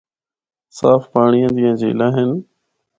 صاف پانڑیاں دیاں جھیلاں ہن۔